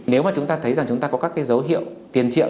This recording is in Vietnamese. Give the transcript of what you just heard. nếu mà chúng ta thấy rằng chúng ta có các cái dấu hiệu tiền triệu